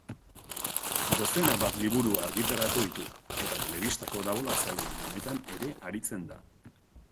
Dozena bat liburu argitaratu ditu, eta telebista kolaboratzaile lanetan ere aritzen da.